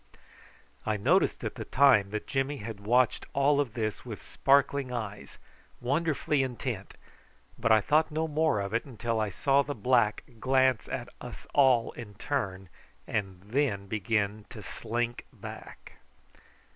I noticed at the time that Jimmy had watched all this with sparkling eyes, wonderfully intent, but I thought no more of it till I saw the black glance at us all in turn, and then begin to slink back.